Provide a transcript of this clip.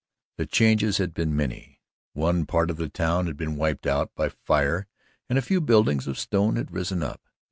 The changes had been many. One part of the town had been wiped out by fire and a few buildings of stone had risen up.